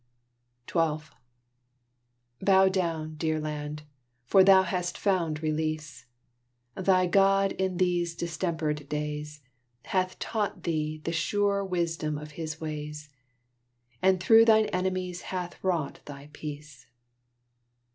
XII Bow down, dear Land, for thou hast found release! Thy God, in these distempered days, Hath taught thee the sure wisdom of His ways, And through thine enemies hath wrought thy peace!